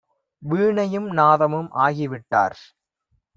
வீணையும் நாதமும் ஆகிவிட்டார்!